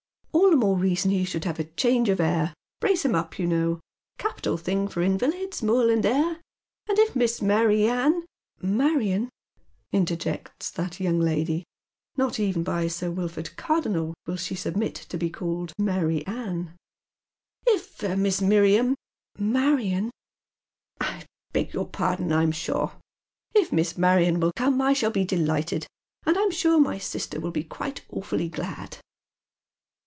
"All the more reason he should have change of air — brace him up, you know. Capital thing for invalids, moorland air. And if Miss Mary Ann "" Marion," interjects that young lady. Not even by Sir Wilford Cardonnel will she submit to be called Mary Ann. " If Miss Miriam "" Marion." " I beg your pardon, I'm shaw. If Miss Marion will come I ehall be delighted, and I'm sure my sister will be quite awfully glad."